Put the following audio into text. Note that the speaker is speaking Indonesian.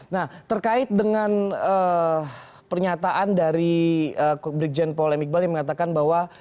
nah terkait dengan pernyataan dari brigjen paul m iqbal yang mengatakan bahwa